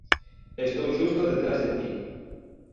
Estou xusto detrás de ti!